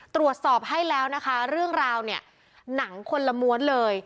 ตรวจสอบให้แล้วนะคะเรื่องราวเนี่ยหนังคนละม้วนเลย